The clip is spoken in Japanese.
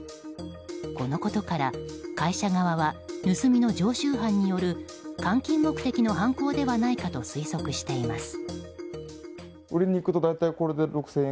このことから会社側は盗みの常習犯による換金目的の犯行ではないかと推測しています。